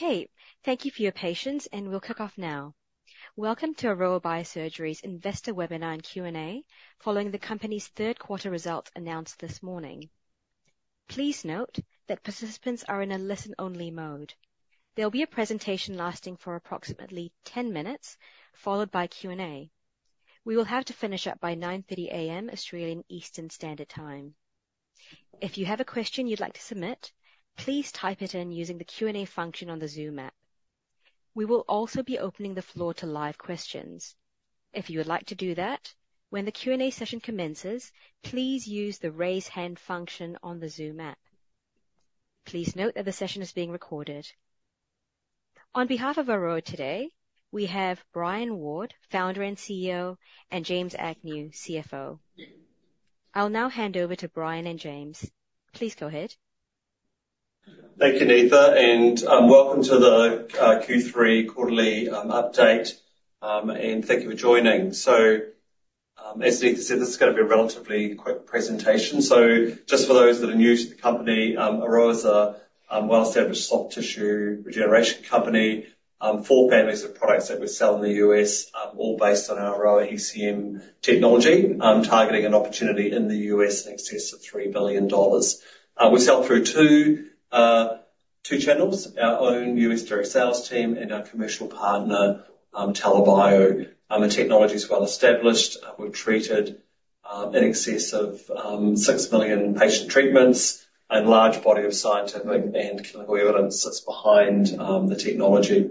Okay, thank you for your patience, and we'll kick off now. Welcome to Aroa Biosurgery's Investor Webinar and Q&A, following the company's third quarter results announced this morning. Please note that participants are in a listen-only mode. There'll be a presentation lasting for approximately 10 minutes, followed by Q&A. We will have to finish up by 9:30 A.M., Australian Eastern Standard Time. If you have a question you'd like to submit, please type it in using the Q&A function on the Zoom app. We will also be opening the floor to live questions. If you would like to do that, when the Q&A session commences, please use the Raise Hand function on the Zoom app. Please note that the session is being recorded. On behalf of Aroa today, we have Brian Ward, Founder and CEO, and James Agnew, CFO. I'll now hand over to Brian and James. Please go ahead. Thank you, Nita, and welcome to the Q3 quarterly update. Thank you for joining. So, as Nita said, this is gonna be a relatively quick presentation. So just for those that are new to the company, Aroa is a well-established soft tissue regeneration company. Four families of products that we sell in the U.S., all based on our Aroa ECM technology, targeting an opportunity in the U.S. in excess of $3 billion. We sell through two channels: our own U.S. direct sales team and our commercial partner, TELA Bio. The technology is well established. We've treated in excess of six million patient treatments, a large body of scientific and clinical evidence that's behind the technology.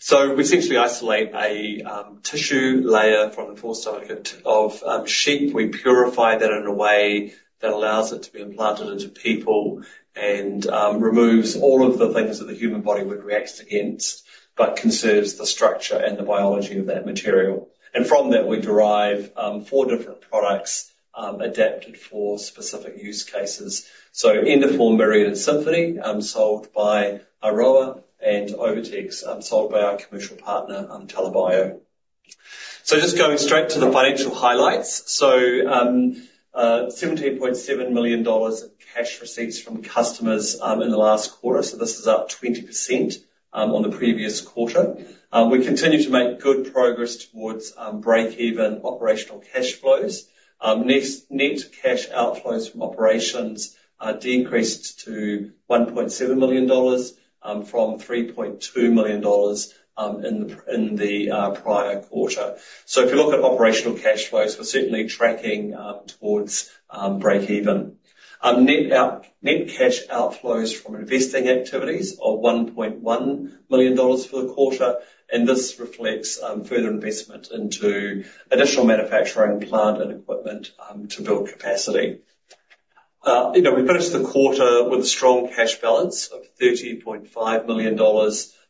So we essentially isolate a tissue layer from the forestomach of sheep. We purify that in a way that allows it to be implanted into people and, removes all of the things that the human body would react against, but conserves the structure and the biology of that material. And from that, we derive, four different products, adapted for specific use cases. So Endoform, Myriad, and Symphony, sold by Aroa, and OviTex, sold by our commercial partner, TELA Bio. So just going straight to the financial highlights. So, $17.7 million in cash receipts from customers, in the last quarter, so this is up 20%, on the previous quarter. We continue to make good progress towards, break-even operational cash flows. Next, net cash outflows from operations decreased to $1.7 million from $3.2 million in the prior quarter. So if you look at operational cash flows, we're certainly tracking towards break even. Net cash outflows from investing activities are $1.1 million for the quarter, and this reflects further investment into additional manufacturing plant and equipment to build capacity. You know, we finished the quarter with a strong cash balance of $30.5 million,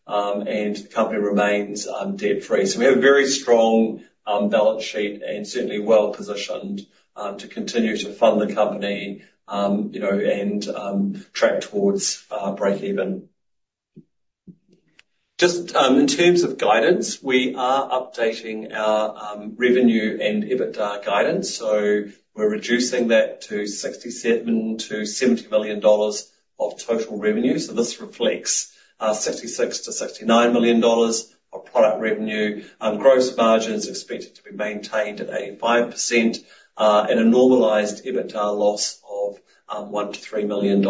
and the company remains debt-free. So we have a very strong balance sheet and certainly well positioned to continue to fund the company, you know, and track towards break even. Just, in terms of guidance, we are updating our revenue and EBITDA guidance, so we're reducing that to $67 million-$70 million of total revenue. So this reflects sixty-six to sixty-nine million dollars of product revenue. Gross margin is expected to be maintained at 85%, and a normalized EBITDA loss of $1 million-$3 million.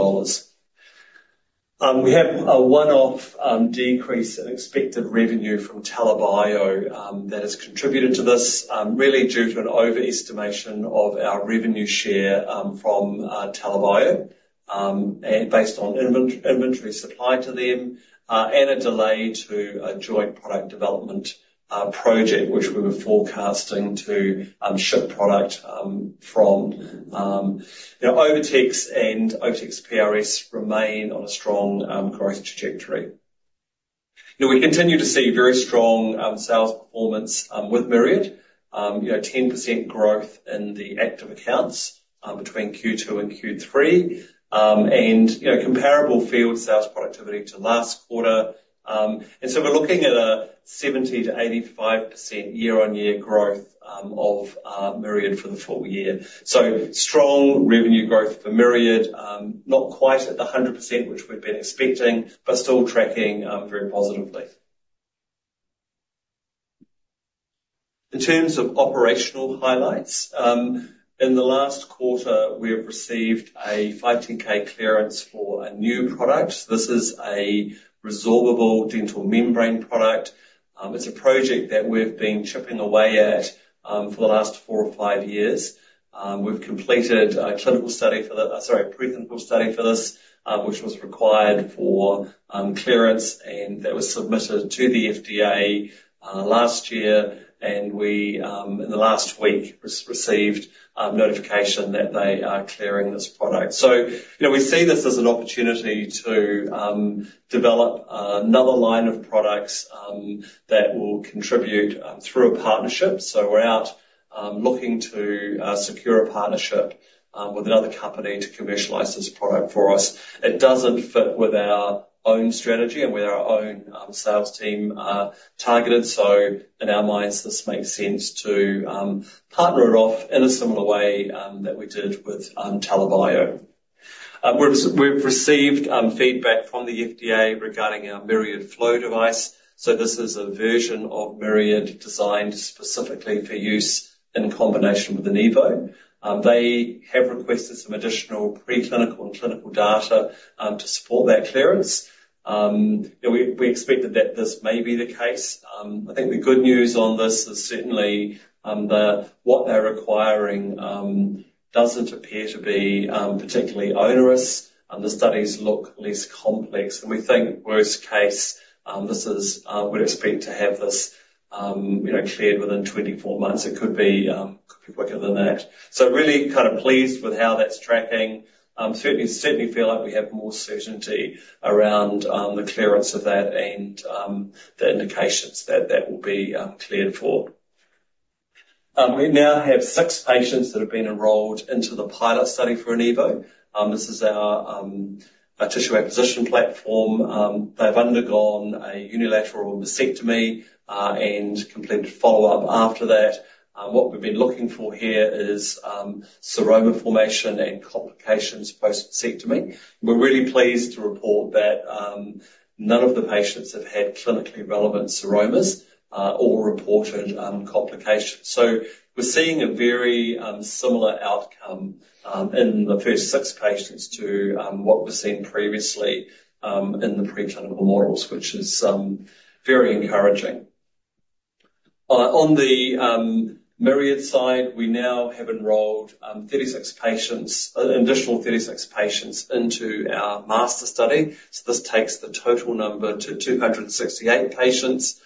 We have a one-off decrease in expected revenue from TELA Bio that has contributed to this, really due to an overestimation of our revenue share from TELA Bio. And based on inventory supply to them, and a delay to a joint product development project, which we were forecasting to ship product from. Now, OviTex and OviTex PRS remain on a strong growth trajectory. Now, we continue to see very strong sales performance with Myriad. You know, 10% growth in the active accounts between Q2 and Q3. And you know, comparable field sales productivity to last quarter. And so we're looking at a 70%-85% year-on-year growth of Myriad for the full year. So strong revenue growth for Myriad. Not quite at the 100%, which we've been expecting, but still tracking very positively. In terms of operational highlights, in the last quarter, we have received a 510(k) clearance for a new product. This is a resorbable dental membrane product. It's a project that we've been chipping away at for the last four or five years. We've completed a clinical study for the... Sorry, a pre-clinical study for this, which was required for clearance, and that was submitted to the FDA last year, and we in the last week received notification that they are clearing this product. So, you know, we see this as an opportunity to develop another line of products that will contribute through a partnership. So we're out looking to secure a partnership with another company to commercialize this product for us. It doesn't fit with our own strategy and with our own sales team targeted, so in our minds, this makes sense to partner it off in a similar way that we did with TELA Bio.... We've received feedback from the FDA regarding our Myriad Flow device. So this is a version of Myriad designed specifically for use in combination with the Enivo. They have requested some additional preclinical and clinical data to support that clearance. We expected that this may be the case. I think the good news on this is certainly that what they're requiring doesn't appear to be particularly onerous, and the studies look less complex. We think, worst case, we'd expect to have this you know cleared within 24 months. It could be quicker than that. So really kind of pleased with how that's tracking. Certainly feel like we have more certainty around the clearance of that and the indications that that will be cleared for. We now have six patients that have been enrolled into the pilot study for Enivo. This is our tissue acquisition platform. They've undergone a unilateral vasectomy and completed follow-up after that. What we've been looking for here is seroma formation and complications post-mastectomy. We're really pleased to report that none of the patients have had clinically relevant seromas or reported complications. So we're seeing a very similar outcome in the first six patients to what we've seen previously in the preclinical models, which is very encouraging. On the Myriad side, we now have enrolled an additional 36 patients into our master study. So this takes the total number to 268 patients.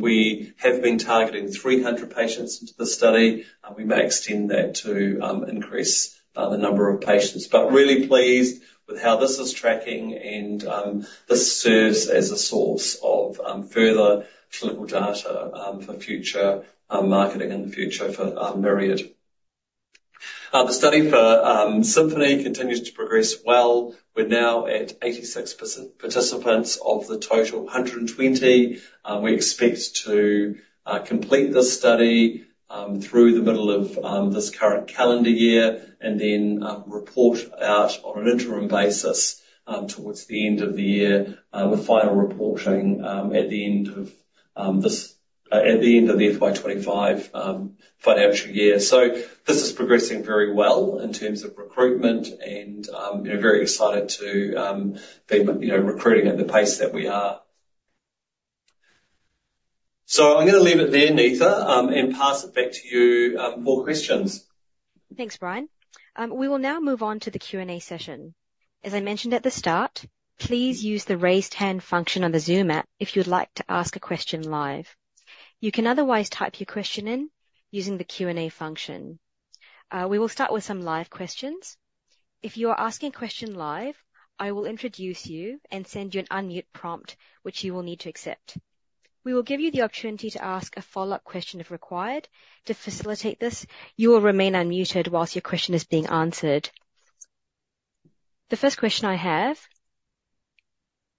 We have been targeting 300 patients into the study, and we may extend that to increase the number of patients. But really pleased with how this is tracking, and this serves as a source of further clinical data for future marketing in the future for Myriad. The study for Symphony continues to progress well. We're now at 86% participants of the total 120. We expect to complete this study through the middle of this current calendar year, and then report out on an interim basis towards the end of the year with final reporting at the end of the FY 2025 financial year. So this is progressing very well in terms of recruitment and, we're very excited to be, you know, recruiting at the pace that we are. So I'm gonna leave it there, Neetha, and pass it back to you for questions. Thanks, Brian. We will now move on to the Q&A session. As I mentioned at the start, please use the Raise Hand function on the Zoom app if you'd like to ask a question live. You can otherwise type your question in using the Q&A function. We will start with some live questions. If you are asking a question live, I will introduce you and send you an unmute prompt, which you will need to accept. We will give you the opportunity to ask a follow-up question, if required. To facilitate this, you will remain unmuted while your question is being answered. The first question I have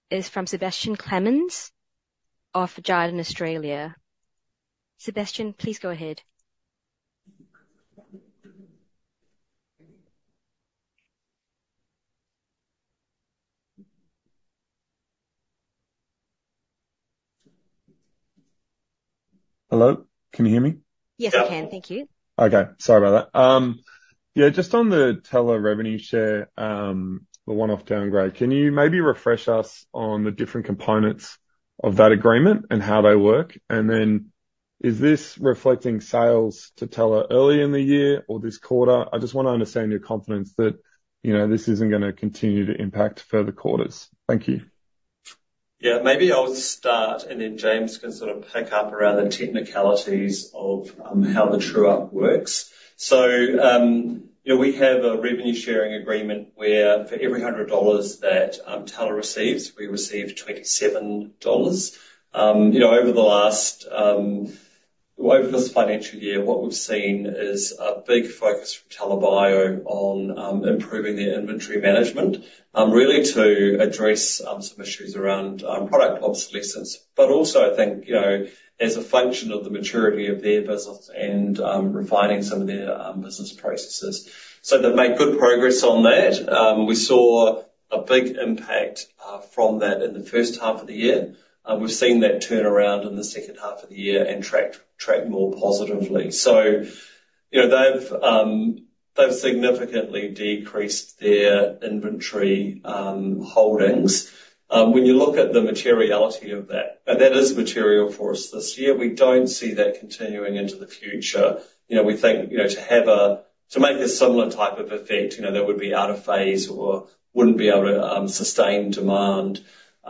is from Sebastian Clemens of Jarden Australia. Sebastian, please go ahead. Hello, can you hear me? Yes, I can. Thank you. Okay. Sorry about that. Yeah, just on the TELA revenue share, the one-off downgrade, can you maybe refresh us on the different components of that agreement and how they work? And then, is this reflecting sales to TELA early in the year or this quarter? I just want to understand your confidence that, you know, this isn't gonna continue to impact further quarters. Thank you. Yeah, maybe I'll start, and then James can sort of pick up around the technicalities of how the true-up works. So, you know, we have a revenue-sharing agreement where for every $100 that TELA receives, we receive $27. You know, over the last over this financial year, what we've seen is a big focus from TELA Bio on improving their inventory management, really to address some issues around product obsolescence, but also I think, you know, as a function of the maturity of their business and refining some of their business processes. So they've made good progress on that. We saw a big impact from that in the first half of the year. We've seen that turn around in the second half of the year and track more positively. So, you know, they've significantly decreased their inventory holdings. When you look at the materiality of that, and that is material for us this year, we don't see that continuing into the future. You know, we think, you know, to make a similar type of effect, you know, that would be out of phase or wouldn't be able to sustain demand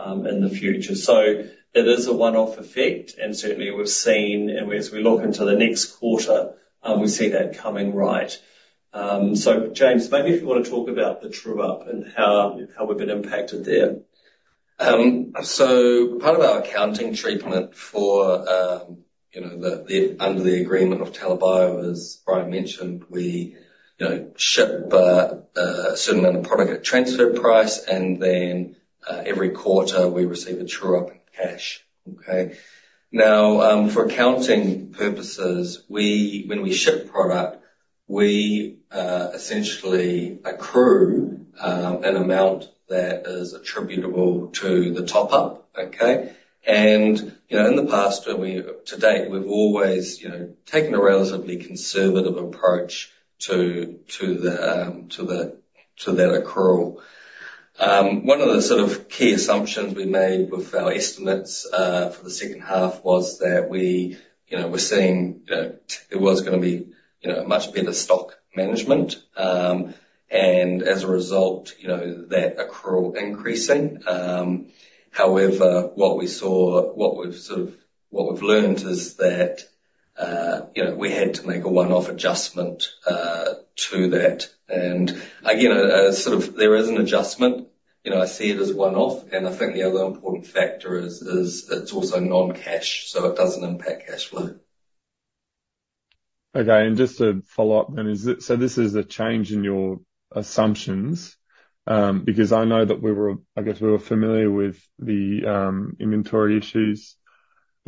in the future. So it is a one-off effect, and certainly we've seen, and as we look into the next quarter, we see that coming right. So James, maybe if you want to talk about the true-up and how we've been impacted there. So part of our accounting treatment for, you know, the under the agreement of TELA Bio, as Brian mentioned, we, you know, ship a certain amount of product at transfer price, and then— ... every quarter, we receive a true-up in cash, okay? Now, for accounting purposes, when we ship product, we essentially accrue an amount that is attributable to the top-up, okay? And, you know, in the past, to date, we've always, you know, taken a relatively conservative approach to that accrual. One of the sort of key assumptions we made with our estimates for the second half was that we, you know, we're seeing there was gonna be, you know, a much better stock management. And as a result, you know, that accrual increasing. However, what we saw, what we've learned is that, you know, we had to make a one-off adjustment to that. And again, sort of there is an adjustment. You know, I see it as one-off, and I think the other important factor is, it's also non-cash, so it doesn't impact cash flow. Okay, and just to follow up then, is it so this is a change in your assumptions? Because I know that we were, I guess, we were familiar with the inventory issues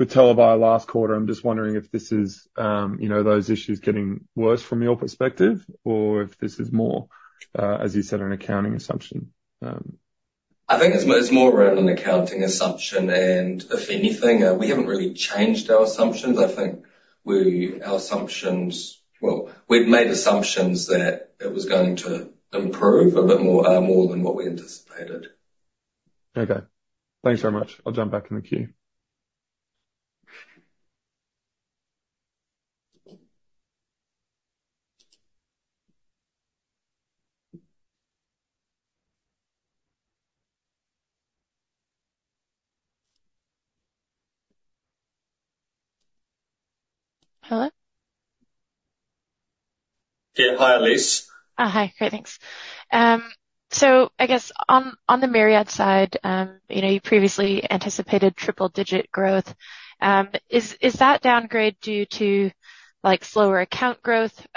with TELA Bio last quarter. I'm just wondering if this is, you know, those issues getting worse from your perspective, or if this is more, as you said, an accounting assumption. I think it's more, it's more around an accounting assumption, and if anything, we haven't really changed our assumptions. I think our assumptions, well, we'd made assumptions that it was going to improve a bit more, more than what we anticipated. Okay. Thanks very much. I'll jump back in the queue. Hello? Yeah. Hi, Elise. Oh, hi. Great, thanks. So I guess on the Myriad side, you know, you previously anticipated triple-digit growth. Is that downgrade due to, like, slower account growth,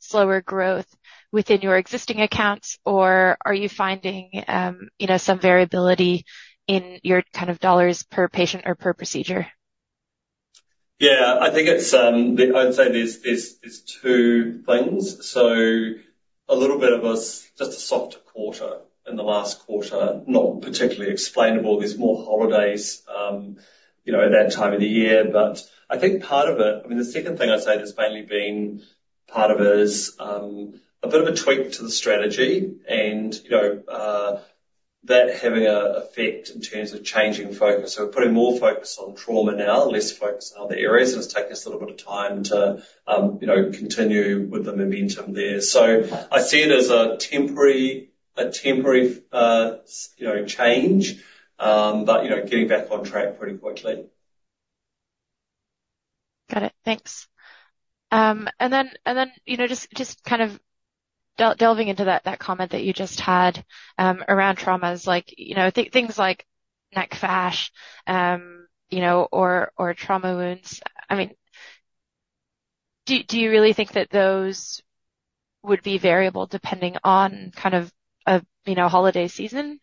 slower growth within your existing accounts, or are you finding, you know, some variability in your kind of dollars per patient or per procedure? Yeah, I think it's the. I'd say there's two things. So a little bit of a just a softer quarter in the last quarter, not particularly explainable. There's more holidays, you know, at that time of the year. But I think part of it, I mean, the second thing I'd say that's mainly been part of it is a bit of a tweak to the strategy and, you know, that having an effect in terms of changing focus. So we're putting more focus on trauma now, less focus on other areas, and it's taking us a little bit of time to continue with the momentum there. So I see it as a temporary change, but, you know, getting back on track pretty quickly. Got it. Thanks. And then, you know, just kind of delving into that comment that you just had, around traumas, like, you know, things like nec fasc, you know, or trauma wounds. I mean, do you really think that those would be variable depending on kind of a, you know, holiday season?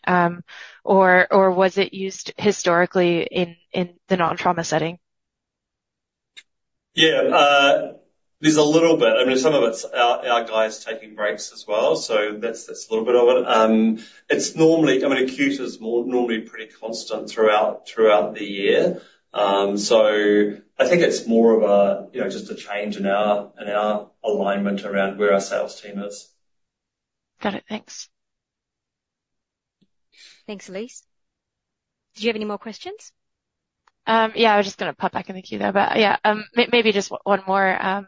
Or was it used historically in the non-trauma setting? Yeah, there's a little bit. I mean, some of it's our, our guys taking breaks as well, so that's, that's a little bit of it. It's normally, I mean, acute is normally pretty constant throughout, throughout the year. So I think it's more of a, you know, just a change in our, in our alignment around where our sales team is. Got it. Thanks. Thanks, Elise. Do you have any more questions? Yeah, I was just gonna pop back in the queue, though, but, yeah, maybe just one more.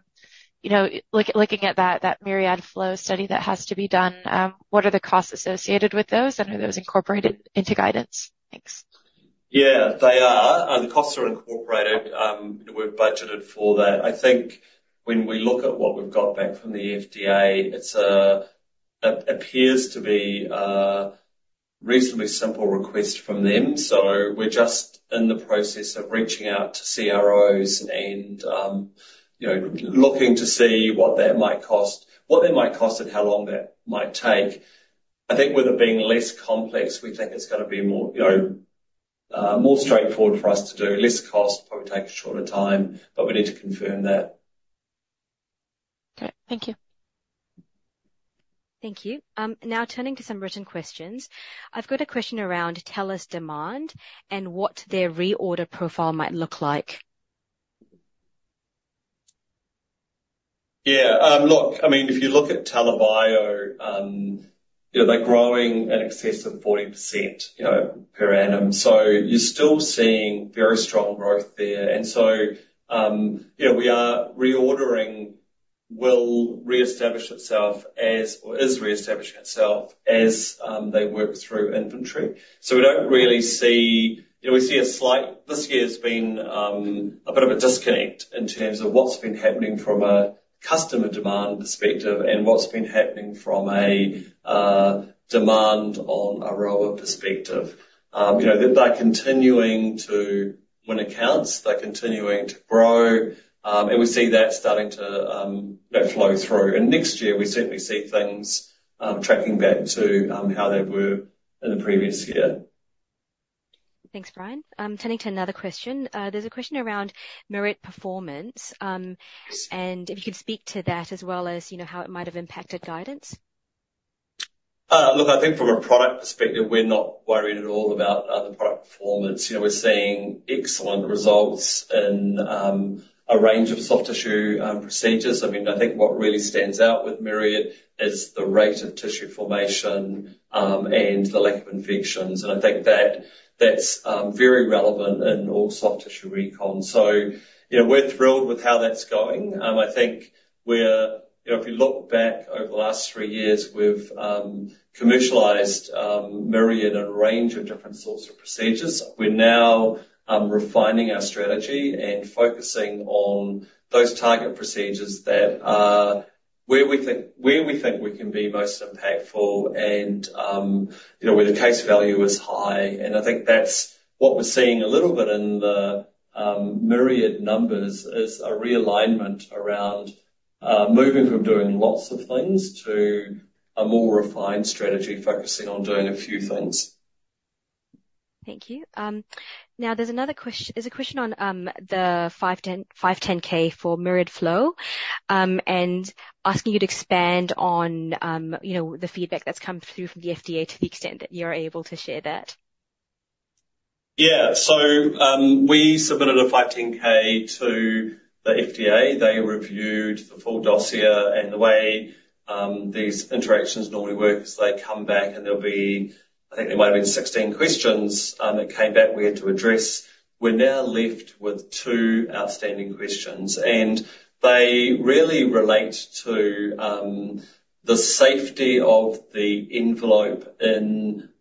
You know, looking at that, that Myriad Flow study that has to be done, what are the costs associated with those, and are those incorporated into guidance? Thanks. Yeah, they are. The costs are incorporated. We've budgeted for that. I think when we look at what we've got back from the FDA, it's a, it appears to be a reasonably simple request from them, so we're just in the process of reaching out to CROs and, you know, looking to see what that might cost, what they might cost and how long that might take. I think with it being less complex, we think it's gonna be more, you know, more straightforward for us to do. Less cost, probably take a shorter time, but we need to confirm that. Okay. Thank you. Thank you. Now turning to some written questions. I've got a question around TELA's demand and what their reorder profile might look like. Yeah, look, I mean, if you look at TELA Bio, they're growing in excess of 40%, you know, per annum. So you're still seeing very strong growth there. And so, you know, will reestablish itself as, or is reestablishing itself as, they work through inventory. So we don't really see... You know, we see a slight-- this year has been, a bit of a disconnect in terms of what's been happening from a customer demand perspective and what's been happening from a, demand on an Aroa perspective. You know, they're continuing to win accounts, they're continuing to grow, and we see that starting to, that flow through. And next year we certainly see things, tracking back to, how they were in the previous year. ... Thanks, Brian. Turning to another question, there's a question around Myriad performance. And if you could speak to that as well as, you know, how it might have impacted guidance. Look, I think from a product perspective, we're not worried at all about the product performance. You know, we're seeing excellent results in a range of soft tissue procedures. I mean, I think what really stands out with Myriad is the rate of tissue formation and the lack of infections, and I think that that's very relevant in all soft tissue recon. So, you know, we're thrilled with how that's going. I think we're, you know, if you look back over the last three years, we've commercialized Myriad in a range of different sorts of procedures. We're now refining our strategy and focusing on those target procedures that are where we think, where we think we can be most impactful and, you know, where the case value is high. I think that's what we're seeing a little bit in the Myriad numbers, is a realignment around moving from doing lots of things to a more refined strategy, focusing on doing a few things. Thank you. Now, there's another question on the 510(k) for Myriad Flow. And asking you to expand on, you know, the feedback that's come through from the FDA to the extent that you're able to share that. Yeah. So, we submitted a 510(k) to the FDA. They reviewed the full dossier, and the way these interactions normally work is they come back, and there'll be, I think there might have been 16 questions that came back we had to address. We're now left with two outstanding questions, and they really relate to the safety of the Enivo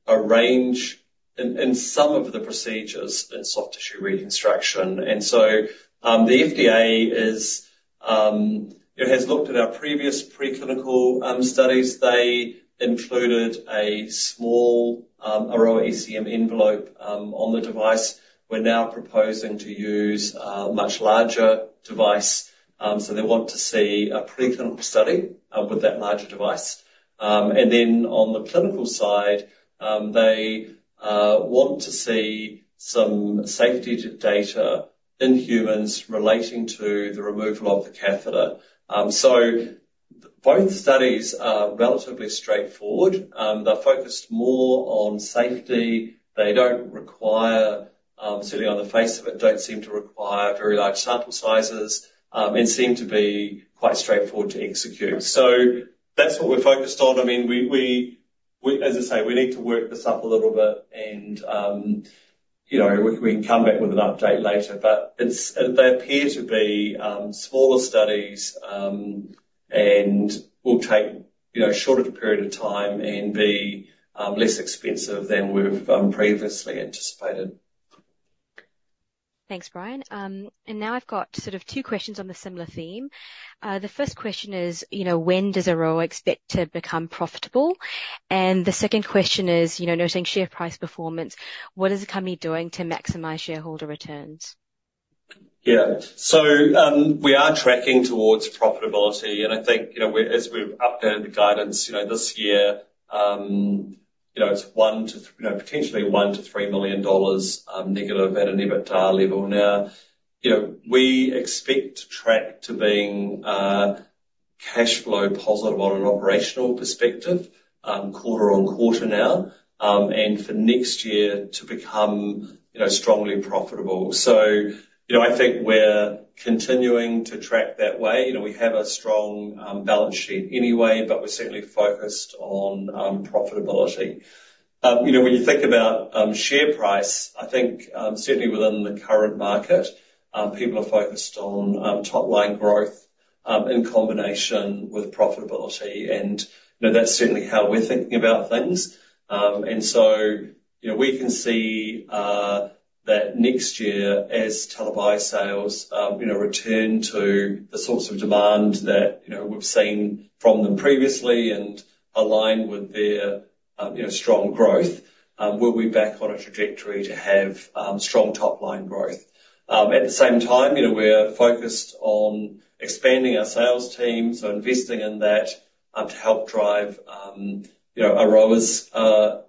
range in some of the procedures in soft tissue reconstruction. And so, the FDA is, it has looked at our previous preclinical studies. They included a small Aroa ECM envelope on the device. We're now proposing to use a much larger device. So they want to see a preclinical study with that larger device. And then on the clinical side, they want to see some safety data in humans relating to the removal of the catheter. So both studies are relatively straightforward. They're focused more on safety. They don't require, certainly on the face of it, don't seem to require very large sample sizes, and seem to be quite straightforward to execute. So that's what we're focused on. I mean, we, as I say, we need to work this up a little bit, and, you know, we can come back with an update later. But it's, they appear to be smaller studies, and will take, you know, a shorter period of time and be less expensive than we've previously anticipated. Thanks, Brian. Now I've got sort of two questions on the similar theme. The first question is, you know, when does Aroa expect to become profitable? And the second question is, you know, noting share price performance, what is the company doing to maximize shareholder returns? Yeah. So, we are tracking towards profitability, and I think, you know, we, as we've updated the guidance, you know, this year, you know, it's 1 to, you know, potentially 1-3 million dollars, negative at an EBITDA level. Now, you know, we expect to track to being, cash flow positive on an operational perspective, quarter-over-quarter now, and for next year to become, you know, strongly profitable. So, you know, I think we're continuing to track that way. You know, we have a strong, balance sheet anyway, but we're certainly focused on, profitability. You know, when you think about, share price, I think, certainly within the current market, people are focused on, top-line growth, in combination with profitability, and, you know, that's certainly how we're thinking about things. So, you know, we can see that next year as TELA Bio sales, you know, return to the sorts of demand that, you know, we've seen from them previously and align with their, you know, strong growth, we'll be back on a trajectory to have strong top-line growth. At the same time, you know, we're focused on expanding our sales team, so investing in that to help drive, you know, Aroa's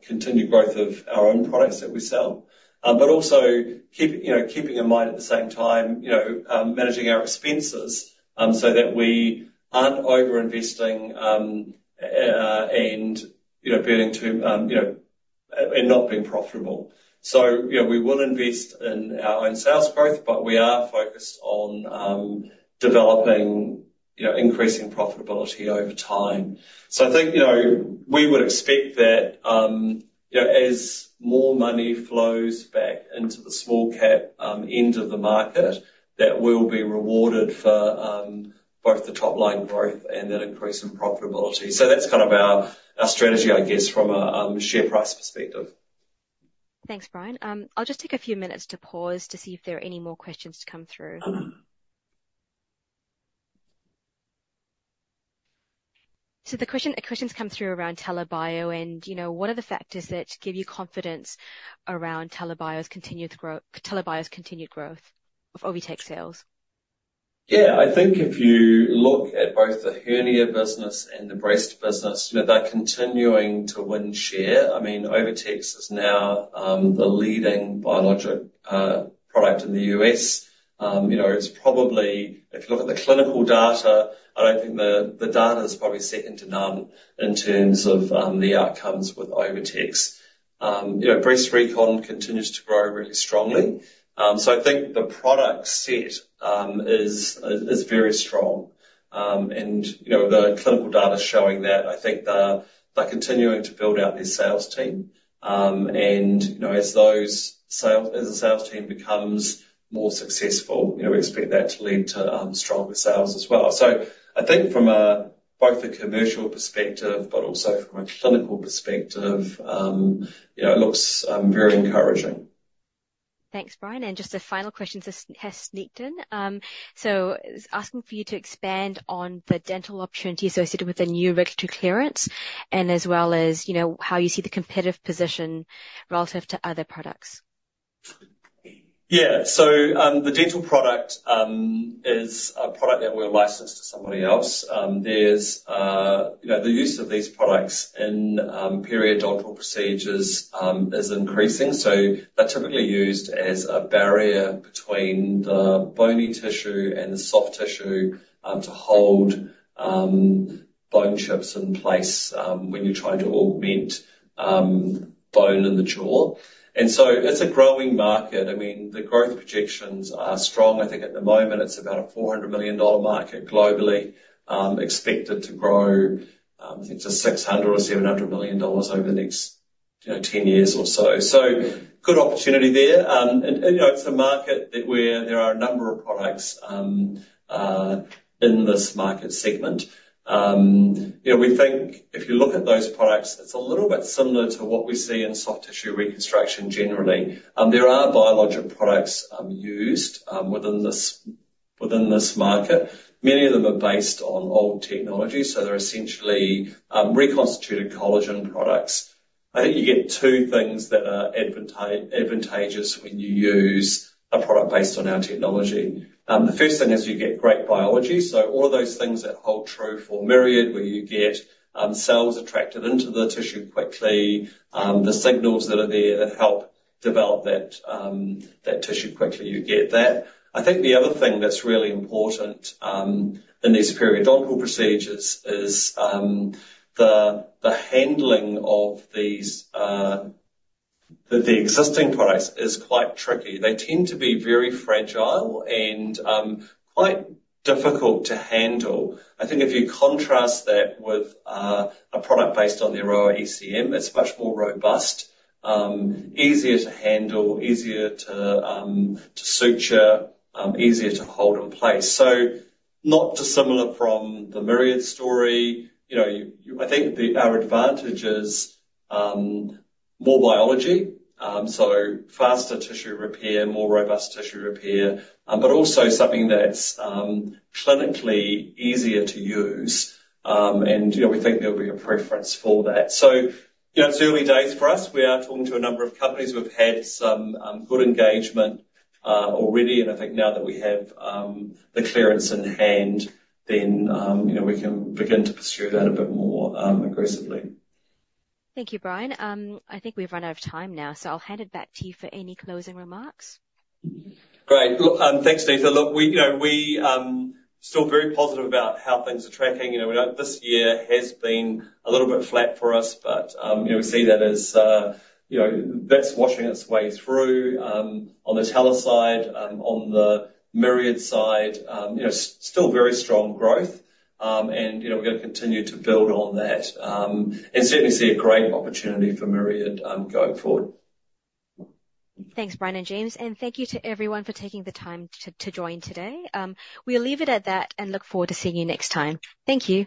continued growth of our own products that we sell. But also keep, you know, keeping in mind, at the same time, you know, managing our expenses so that we aren't overinvesting and, you know, being too, you know, and not being profitable. So, you know, we will invest in our own sales growth, but we are focused on developing, you know, increasing profitability over time. So I think, you know, we would expect that, you know, as more money flows back into the small-cap end of the market, that we'll be rewarded for both the top-line growth and an increase in profitability. So that's kind of our, our strategy, I guess, from a share price perspective. Thanks, Brian. I'll just take a few minutes to pause to see if there are any more questions to come through. So the question, a question's come through around TELA Bio, and, you know, what are the factors that give you confidence around TELA Bio's continued growth - TELA Bio's continued growth of OviTex sales?... Yeah, I think if you look at both the hernia business and the breast business, they're continuing to win share. I mean, OviTex is now the leading biologic product in the U.S. You know, it's probably. If you look at the clinical data, I don't think the data is probably second to none in terms of the outcomes with OviTex. You know, Breast Recon continues to grow really strongly. So I think the product set is very strong. And you know, the clinical data is showing that. I think they are, they're continuing to build out their sales team. And you know, as the sales team becomes more successful, you know, we expect that to lead to stronger sales as well. So I think from both a commercial perspective, but also from a clinical perspective, you know, it looks very encouraging. Thanks, Brian. Just a final question has sneaked in. So it's asking for you to expand on the dental opportunity associated with the new regulatory clearance, and as well as, you know, how you see the competitive position relative to other products. Yeah. So, the dental product is a product that we're licensed to somebody else. There's, you know, the use of these products in, periodontal procedures, is increasing, so they're typically used as a barrier between the bony tissue and the soft tissue, to hold, bone chips in place, when you're trying to augment, bone in the jaw. And so it's a growing market. I mean, the growth projections are strong. I think at the moment it's about a $400 million market globally, expected to grow, I think to $600 million or $700 million over the next, you know, 10 years or so. So, good opportunity there. And, and, you know, it's a market that where there are a number of products, in this market segment. You know, we think if you look at those products, it's a little bit similar to what we see in soft tissue reconstruction generally. There are biologic products used within this, within this market. Many of them are based on old technology, so they're essentially reconstituted collagen products. I think you get two things that are advantageous when you use a product based on our technology. The first thing is you get great biology. So all of those things that hold true for Myriad, where you get cells attracted into the tissue quickly, the signals that are there that help develop that tissue quickly, you get that. I think the other thing that's really important in these periodontal procedures is the handling of these existing products is quite tricky. They tend to be very fragile and quite difficult to handle. I think if you contrast that with a product based on the Aroa ECM, it's much more robust, easier to handle, easier to suture, easier to hold in place. So not dissimilar from the Myriad story, you know, you, I think our advantage is more biology, so faster tissue repair, more robust tissue repair, but also something that's clinically easier to use. And, you know, we think there'll be a preference for that. So, you know, it's early days for us. We are talking to a number of companies. We've had some good engagement already, and I think now that we have the clearance in hand, then you know, we can begin to pursue that a bit more aggressively. Thank you, Brian. I think we've run out of time now, so I'll hand it back to you for any closing remarks. Great. Look, thanks, Neetha. Look, we, you know, we, still very positive about how things are tracking. You know, we know—this year has been a little bit flat for us, but, you know, we see that as, you know, that's washing its way through, on the TELA side, on the Myriad side. You know, still very strong growth. And, you know, we're gonna continue to build on that, and certainly see a great opportunity for Myriad, going forward. Thanks, Brian and James, and thank you to everyone for taking the time to join today. We'll leave it at that and look forward to seeing you next time. Thank you.